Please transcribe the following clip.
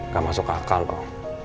gak masuk akal loh